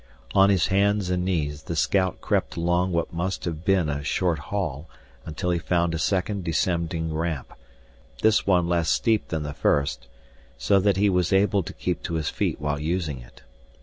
On his hands and knees the scout crept along what must have been a short hall until he found a second descending ramp, this one less steep than the first, so that he was able to keep to his feet while using it.